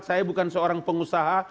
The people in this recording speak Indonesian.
saya bukan seorang pengusaha